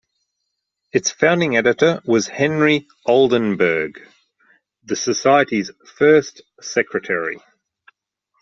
Its founding editor was Henry Oldenburg, the society's first secretary.